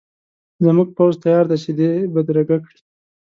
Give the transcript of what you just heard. زموږ پوځ تیار دی چې دی بدرګه کړي.